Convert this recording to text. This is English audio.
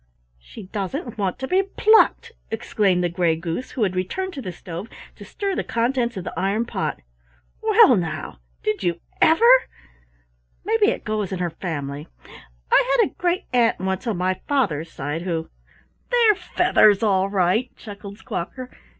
"She doesn't want to be plucked!" exclaimed the Gray Goose who had returned to the stove to stir the contents of the iron pot. "Well, now, did you ever! Maybe it goes in her family. I had a great aunt once on my father's side who " "They're feathers, all right," chuckled Squawker.